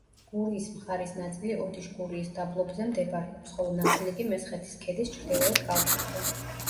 გურიის მხარის ნაწილი ოდიშ-გურიის დაბლობზე მდებარეობს, ხოლო ნაწილი კი მესხეთის ქედის ჩრდილოეთ კალთებზე.